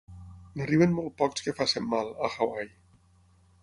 N'arriben molt pocs que facin mal, a Hawaii.